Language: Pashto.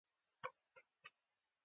خپل فکر له بدلون سره اوسمهالیزه کولای شو.